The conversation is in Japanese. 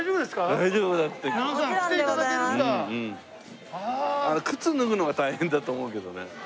あの靴脱ぐのが大変だと思うけどね。